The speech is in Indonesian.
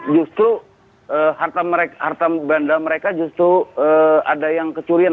justru harta benda mereka justru ada yang kecurian